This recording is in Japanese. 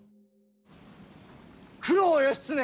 九郎義経